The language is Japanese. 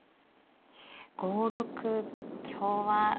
５六香は。